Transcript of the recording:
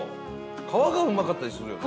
皮がうまかったりするよね。